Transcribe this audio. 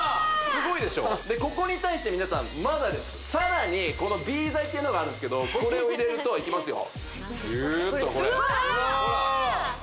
すごいでしょでここに対して皆さんまだですさらにこのＢ剤っていうのがあるんですけどこれを入れるといきますよ